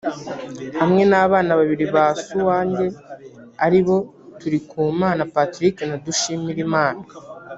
hamwe n’abana babili ba Suwanjye aribo Turikumana Patric na Dushimirimana